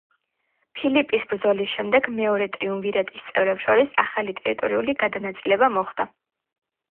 ფილიპის ბრძოლის შემდეგ, მეორე ტრიუმვირატის წევრებს შორის ახალი ტერიტორიული გადანაწილება მოხდა.